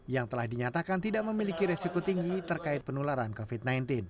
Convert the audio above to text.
yang telah dinyatakan tidak memiliki resiko tinggi terkait penularan covid sembilan belas